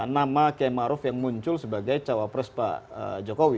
nama k maruf yang muncul sebagai capres pak jokowi